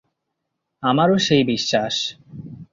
আমারও সেই বিশ্বাস।